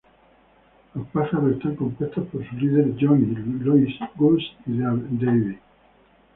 Los pájaros están compuestos por su líder Johnny, Louis, Goose y Davey.